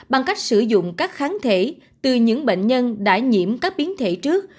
bằng cách sử dụng các kháng thể từ những bệnh nhân đã nhiễm các biến thể trước